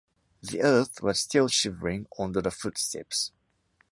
The earth was still shivering under the footsteps.